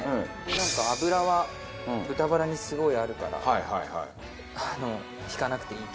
なんか油は豚バラにすごいあるから引かなくていいと。